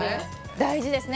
大事ですね